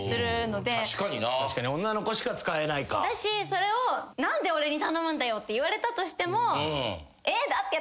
それを「何で俺に頼むんだよ」って言われたとしても。